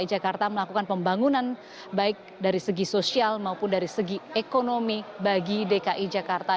ketua kpud dki jakarta sumarno berkata bahwa mereka akan melakukan pembangunan baik dari segi sosial maupun dari segi ekonomi bagi dki jakarta